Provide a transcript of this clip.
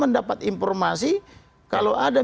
mendapat informasi kalau ada